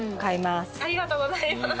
ありがとうございます。